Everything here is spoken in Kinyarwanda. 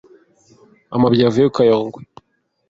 amabya yavuye ku kayongwe.